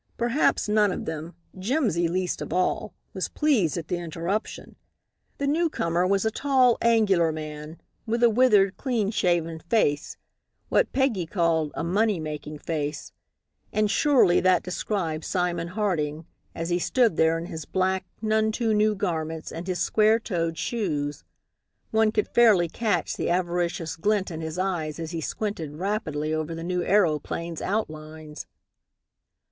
Perhaps none of them Jimsy least of all was pleased at the interruption. The newcomer was a tall, angular man, with a withered, clean shaven face, what Peggy called a "money making face"; and surely that described Simon Harding, as he stood there in his black, none too new garments, and his square toed shoes. One could fairly catch the avaricious glint in his eyes as he squinted rapidly over the new aeroplane's outlines.